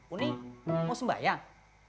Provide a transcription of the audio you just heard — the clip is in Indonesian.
uni mau sembahyang